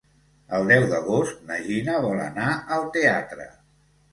El deu d'agost na Gina vol anar al teatre.